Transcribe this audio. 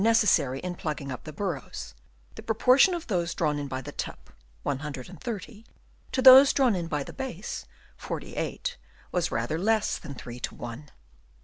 81 necessary in plugging up the burrows, the proportion of those drawn in by the tip (130) to those drawn in by the base (48) was rather less than three to one.